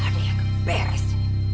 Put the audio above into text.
ada yang beres